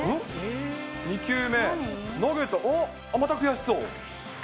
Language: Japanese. ２球目、投げた、あっ、また悔しそう。